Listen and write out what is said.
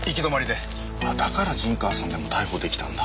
だから陣川さんでも逮捕出来たんだ。